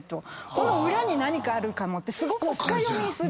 この裏に何かあるかもってすごく深読みする。